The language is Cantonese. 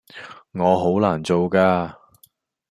我好難做㗎